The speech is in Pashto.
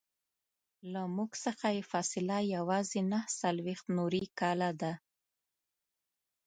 له موږ څخه یې فاصله یوازې نهه څلویښت نوري کاله ده.